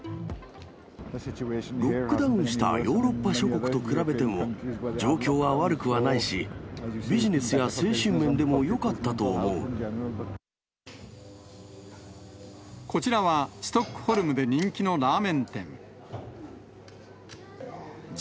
ロックダウンしたヨーロッパ諸国と比べても、状況は悪くはないし、ビジネスや精神面でもよかこちらは、ストックホルムで人気のラーメン店。